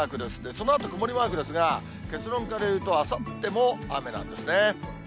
そのあと曇りマークですが、結論から言うと、あさっても雨なんですね。